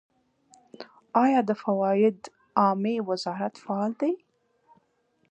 آیا د فواید عامې وزارت فعال دی؟